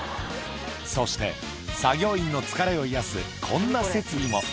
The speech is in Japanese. そして、作業員の疲れを癒やすこんな設備も。